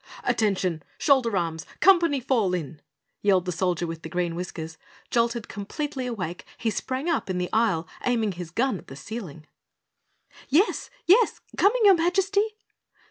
"Attention! Shoulder arms! Company, fall in!" yelled the Soldier with Green Whiskers. Jolted completely awake, he sprang up in the aisle, aiming his gun at the ceiling. "Yes? Yes! Coming, your Majesty!"